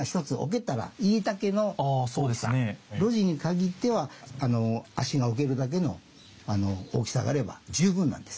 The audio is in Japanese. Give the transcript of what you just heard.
露地にかぎっては足が置けるだけの大きさがあれば十分なんです。